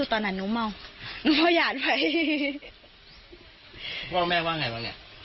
พ่อแม่ว่าไงบ้างเนี่ย